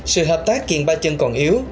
sự hợp tác kiện ba chân còn yếu